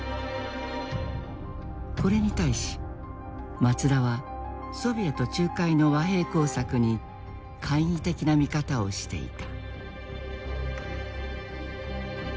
これに対し松田はソビエト仲介の和平工作に懐疑的な見方をしていた。